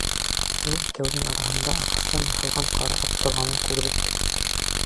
Ул икәүҙең араһында ағастан яһалған ҡара ат торғанын күрҙек.